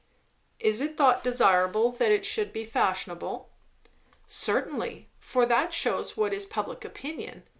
"Is it thought desirable, that it should be fashionable?" "Certainly; for that shews what is public opinion.